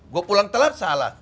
gue pulang telat salah